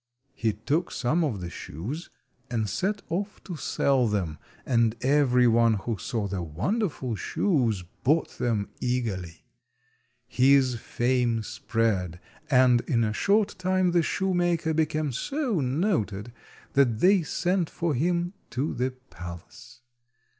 He took some of the shoes and set off to sell them, and every one who saw the wonderful shoes bought them eagerly. His fame spread, and in a short time the shoemaker became so noted that they sent for him to the palace.